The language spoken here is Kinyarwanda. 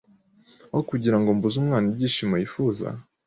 aho kugira ngo mbuze umwana ibyishimo yifuza